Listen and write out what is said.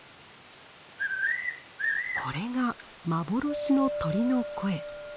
これが「幻の鳥」の声。